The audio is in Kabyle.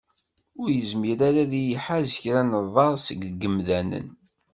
Ur yezmir ara ad iyi-d-iḥaz kra n ḍḍer seg yemdanen.